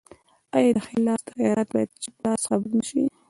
آیا د ښي لاس خیرات باید چپ لاس خبر نشي؟